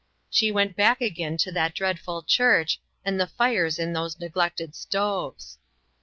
She went back again to that dreadful church, and the fires in those neglected stoves.